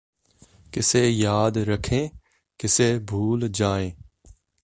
ਕਿਸੇ ਯਾਦ ਰੱਖੇਂ ਕਿਸੇ ਭੂਲ ਜਾਇਂ